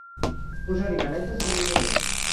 Posar-hi manetes a l'inrevés.